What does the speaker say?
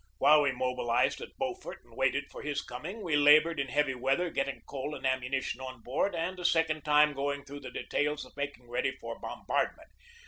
While we mobilized at Beaufort and waited for his coming we labored in heavy weather getting coal and ammunition on board and a second time going through the details of making ready for bombardment.